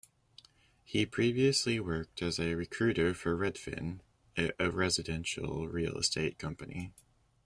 He previously worked as a recruiter for Redfin, a residential real estate company.